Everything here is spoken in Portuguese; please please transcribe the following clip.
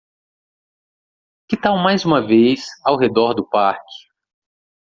Que tal mais uma vez ao redor do parque?